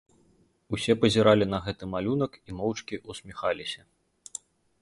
Усе пазіралі на гэты малюнак і моўчкі ўсміхаліся.